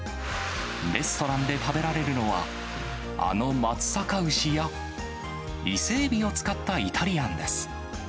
レストランで食べられるのは、あの松阪牛や、伊勢エビを使ったイタリアンです。